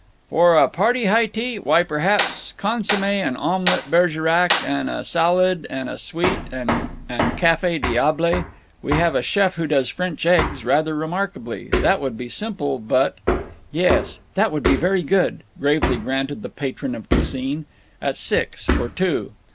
"For a party high tea? Why, perhaps consomme and omelet Bergerac and a salad and a sweet and cafe diable. We have a chef who does French eggs rather remarkably. That would be simple, but—" "Yes, that would be very good," gravely granted the patron of cuisine. "At six; for two."